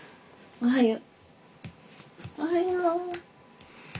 おはよう。